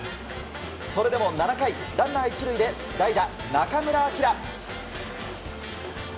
それでも７回、ランナー１塁で代打、中村晃。